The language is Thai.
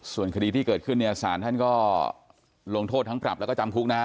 ส่วนคดีที่เกิดขึ้นเนี่ยสารท่านก็ลงโทษทั้งปรับแล้วก็จำคุกนะฮะ